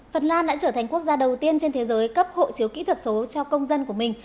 phần lan đã trở thành quốc gia đầu tiên trên thế giới cấp hộ chiếu kỹ thuật số cho công dân của mình